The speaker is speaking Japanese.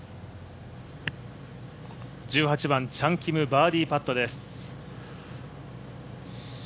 １８番チャン・キムバーディーパットです。